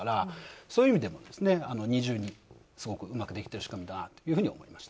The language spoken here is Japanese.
そういう意味でも二重にすごくうまくできてる仕組みだなと思いました。